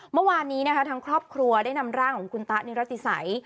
เมื่อวานนี้นะคะทางครอบครัวได้นำร่างของคุณตะนิรติสัย